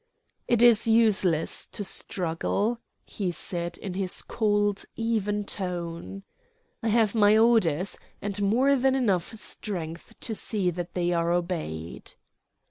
"It is useless to struggle," he said in his cold, even tone. "I have my orders, and more than enough strength to see that they are obeyed."